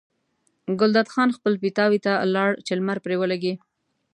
ګلداد خان خپل پیتاوي ته لاړ چې لمر پرې ولګي.